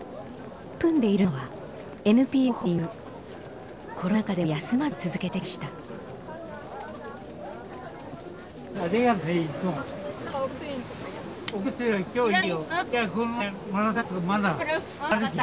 取り組んでいるのはコロナ禍でも休まずに続けてきました。